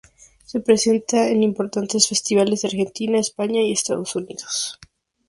Se presenta en importantes festivales en Argentina, España y Estados Unidos.